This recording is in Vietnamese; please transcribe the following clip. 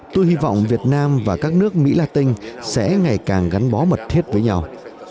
tôi hy vọng việt nam và các nước mỹ la tinh sẽ ngày càng gắn bó mật thiết với nhau